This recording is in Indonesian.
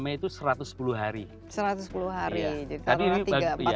berita dariual parugia